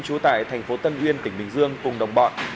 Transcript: trú tại tp tân uyên tp bình dương cùng đồng bọn